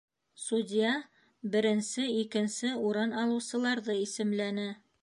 Судья беренсе, икенсе урын алыусыларҙы исемләне.